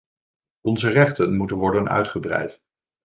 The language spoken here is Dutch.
Onze rechten moeten worden uitgebreid.